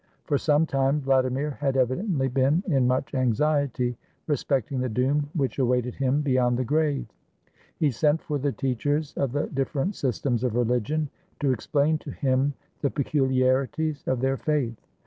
For some time Vladi mir had evidently been in much anxiety respecting the doom which awaited him beyond the grave. He sent for the teachers of the different systems of religion, to ex plain to him the peculiarities of their faith.